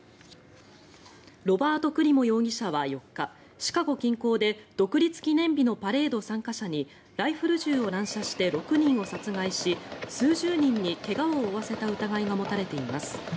ロバート・クリモ容疑者は４日シカゴ近郊で独立記念日のパレード参加者にライフル銃を乱射して６人を殺害し数十人に怪我を負わせた疑いが持たれています。